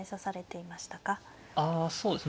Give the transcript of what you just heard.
ああそうですね